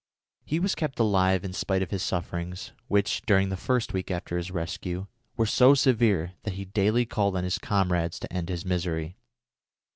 He was kept alive in spite of his sufferings, which, during the first week after his rescue, were so severe that he daily called on his comrades to end his misery.